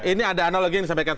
ini ada analogi yang disampaikan